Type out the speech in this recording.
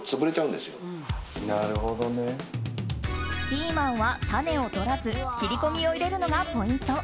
ピーマンは種を取らず切り込みを入れるのがポイント。